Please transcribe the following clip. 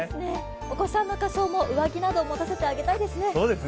お子さんの仮装も上着などを持たせてあげたいですね。